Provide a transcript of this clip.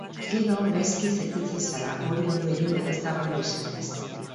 Gero gaizki sentitzen zara, hori ondo eginda ez dagoela esanez.